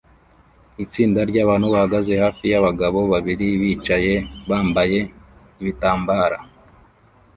Itsinda ryabantu bahagaze hafi yabagabo babiri bicaye bambaye ibitambara